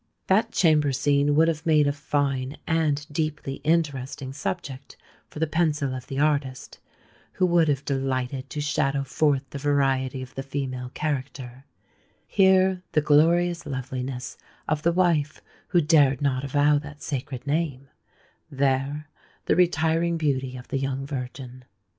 That chamber scene would have made a fine and deeply interesting subject for the pencil of the artist, who would have delighted to shadow forth the variety of the female character,—here the glorious loveliness of the wife who dared not avow that sacred name,—there the retiring beauty of the young virgin.